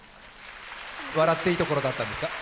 笑っていいところだったんですか？